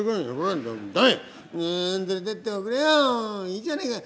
いいじゃねえか！